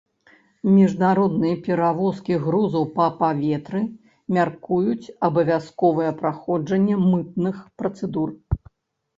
Міжнародныя перавозкі грузаў па паветры мяркуюць абавязковае праходжанне мытных працэдур.